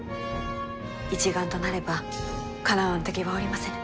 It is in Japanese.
一丸となればかなわぬ敵はおりませぬ。